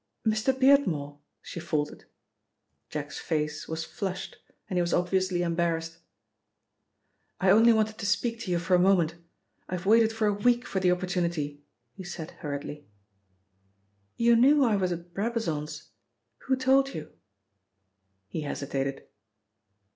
"Mr. Beardmore!" she faltered. Jack's face was flushed and he was obviously embarrassed. "I only wanted to speak to you for a moment. I have waited for a week for the opportunity," he said hurriedly. "You knew I was at Brabazon's who told you?" He hesitated.